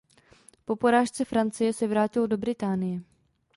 Po porážce Francie se vrátil do Británie.